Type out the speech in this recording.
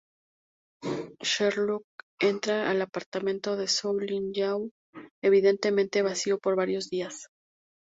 Sherlock entra al apartamento de Soo Lin Yao, evidentemente vacío por varios días.